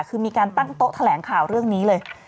คือมีการตั้งโต๊ะแถลงข่าวเรื่องนี้เลย